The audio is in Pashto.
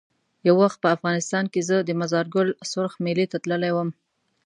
یو وخت په افغانستان کې زه د مزار ګل سرخ میلې ته تللی وم.